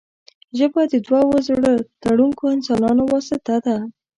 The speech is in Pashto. ژبه د دوو زړه تړونکو انسانانو واسطه ده